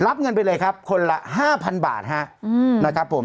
รับเงินไปเลยครับคนละ๕๐๐บาทนะครับผม